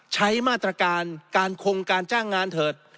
ใช้มาตรการการคงการจ้างงานเถิด